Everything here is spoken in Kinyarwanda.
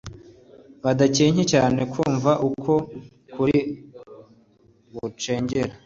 Badakencye cyane kumva uko kuri gucengera,